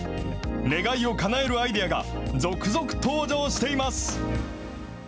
願いをかなえるアイデアが続々登場しています。